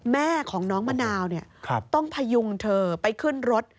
แม่ของน้องมะนาวต้องพยุงเธอไปขึ้นรถ